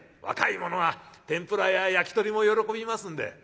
若い者は天ぷらや焼き鳥も喜びますんで。